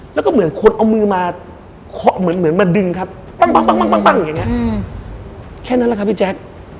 แล้วก็เหมือนคนเอามือมาเหมือนมาดึงครับแค่นั้นแหละครับพี่แจ๊ค